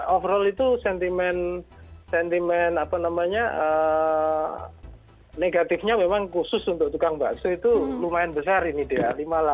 overall itu sentimen negatifnya memang khusus untuk tukang bakso itu lumayan besar ini dia